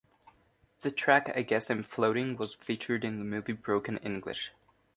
The track "I Guess I'm Floating" was featured in the movie "Broken English".